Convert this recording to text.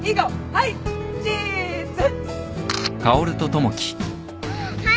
はいチーズ。